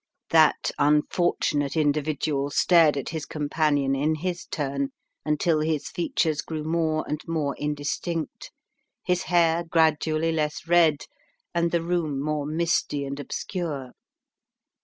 That unfortunate individual stared at his companion in his turn, until his features grew more and more indistinct his hair gradually less red and the room more misty and obscure.